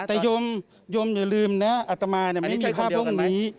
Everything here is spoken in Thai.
แต่ยมยมอย่าลืมนะอัตมาไม่มีภาพโลกนี้